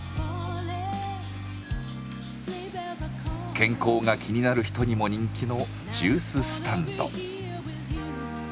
健康が気になる人にも人気のジューススタンド。